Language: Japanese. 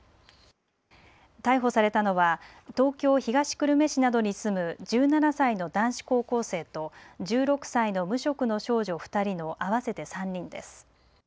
逮捕されたのは東京東久留米市などに住む１７歳の男子高校生と１６歳の無職の少女２人の合わせて３人です。